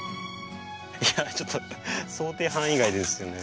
いやちょっと想定範囲外ですよね。